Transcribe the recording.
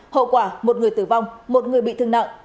hậu quả một người tử vong một người bị thương nặng